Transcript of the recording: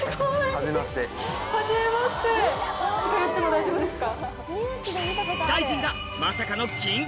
近寄っても大丈夫ですか？